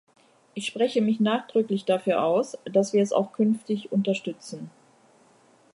Ich spreche mich nachdrücklich dafür aus, dass wir es auch künftig unterstützen.